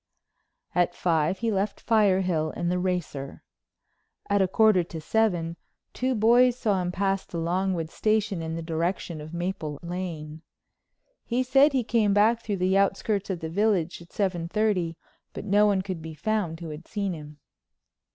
At five he left Firehill in the racer. At a quarter to seven two boys saw him pass the Longwood Station in the direction of Maple Lane. He said he came back through the outskirts of the village at seven thirty, but no one could be found who had seen him.